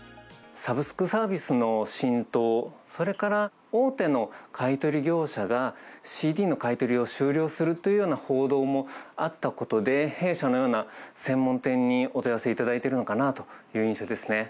サブスクサービスの浸透、それから大手の買い取り業者が、ＣＤの買い取りを終了するというような報道もあったことで、弊社のような専門店にお問い合わせいただいてるのかなっていう印